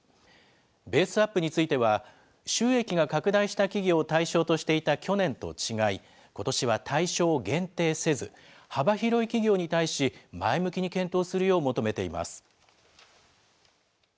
ベースアップについては、収益が拡大した企業を対象としていた去年と違い、ことしは対象を限定せず、幅広い企業に対し、前向きに検討するよう求めています。